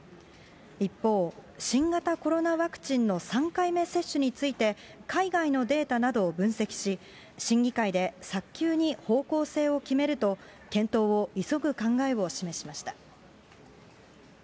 一方、新型コロナワクチンの３回目接種について、海外のデータなどを分析し、審議会で早急に方向性を決めると、検討を急ぐ考えを示しました。